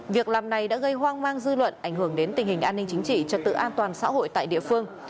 việc làm này đã gây hoang mang dư luận ảnh hưởng đến tình hình an ninh chính trị trật tự an toàn xã hội tại địa phương